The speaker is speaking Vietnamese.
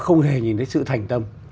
không hề nhìn thấy sự thành tâm